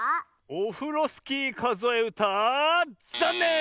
「オフロスキーかぞえうた」ざんねん！